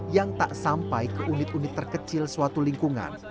yang tak sampai ke unit unit terkecil suatu lingkungan